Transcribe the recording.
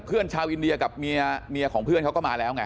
เพื่อนชาวอินเดียกับเมียของเพื่อนเขาก็มาแล้วไง